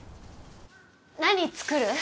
何作る？